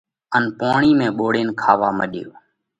ان پوڻِي ۾ ٻوڙينَ کاوا مڏيو۔